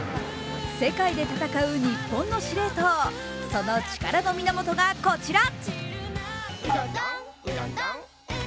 世界で戦う日本の司令塔、その力の源がこちら。